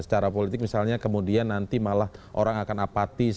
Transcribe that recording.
secara politik misalnya kemudian nanti malah orang akan apatis